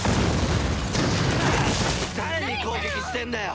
誰に攻撃してるんだよ！